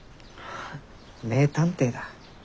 名探偵だ。